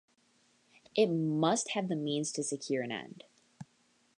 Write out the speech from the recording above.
It must have the means to secure an end.